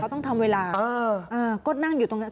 ต้องทำเวลาก็นั่งอยู่ตรงนั้น